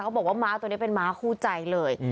บอกว่าม้าตัวนี้เป็นม้าคู่ใจเลย